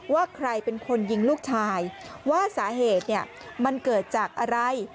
ว่าใครเป็นคนยิงลูกชายว่าสาเหตุมันเกิดจากอะไร